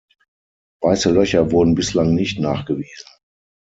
Weiße Löcher wurden bislang nicht nachgewiesen.